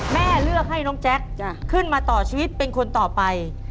แม่เลือกให้น้องแจ๊คขึ้นมาต่อชีวิตเป็นคนต่อไป